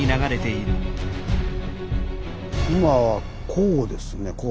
今はこうですね。